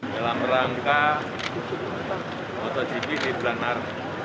dalam rangka motogp di blanar